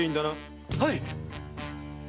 はい。